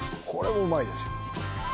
これもうまいですよ